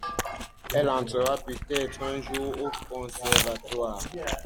Elle entrera peut-être un jour au conservatoire.